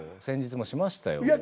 先日もしましたよ。